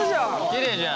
きれいじゃん。